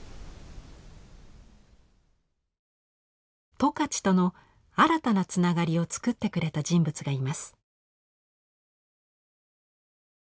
十勝との新たなつながりをつくってくれた人物がいます。